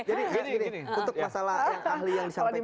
jadi untuk masalah yang ahli yang disampaikan